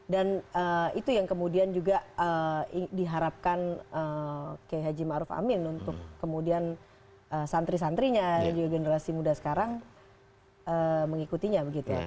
dan itu yang kemudian juga diharapkan ke haji maruf amin untuk kemudian santri santrinya generasi muda sekarang mengikutinya